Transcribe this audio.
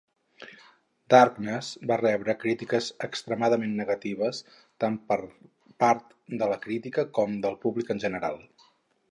"Darkness" va rebre crítiques extremadament negatives tant per part de la crítica com del públic en general.